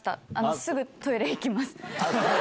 すぐトイレ行きます。